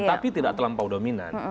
tapi tidak terlampau dominan